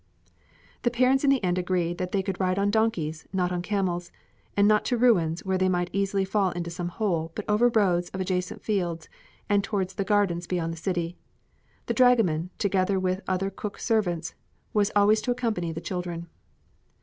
The parents in the end agreed that they could ride on donkeys, not on camels, and not to ruins, where they might easily fall into some hole, but over roads of adjacent fields and towards the gardens beyond the city. The dragoman, together with other Cook servants, was always to accompany the children.